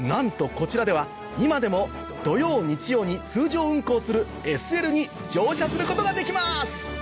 こちらでは今でも土曜日曜に通常運行するＳＬに乗車することができます！